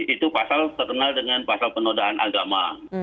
itu pasal terkenal dengan pasal penodaan agama